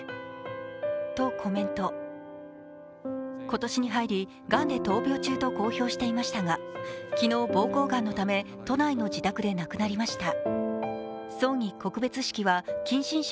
今年に入り、がんで闘病中と公表していましたが昨日、ぼうこうがんのため都内の自宅で亡くなりました。